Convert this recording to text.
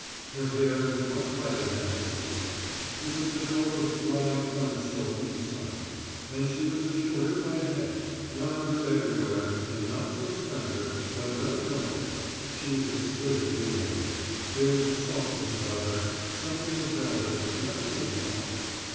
Her hair was much lighter than her sister's; it was the colour of dry corn silk in the sun; and she was the shorter by a head, rounder everywhere and not so slender; but no dumpling: she was exquisitely made. There was a softness about her: something of velvet, nothing of mush.